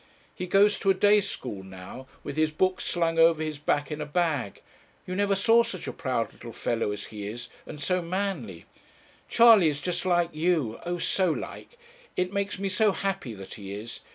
He goes to a day school now, with his books slung over his back in a bag. You never saw such a proud little fellow as he is, and so manly. Charley is just like you oh! so like. It makes me so happy that he is.